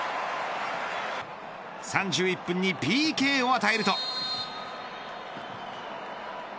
３１分にＰＫを与えると。